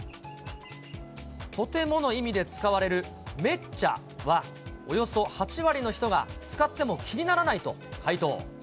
とてもの意味で使われる、めっちゃは、およそ８割の人が使っても気にならないと回答。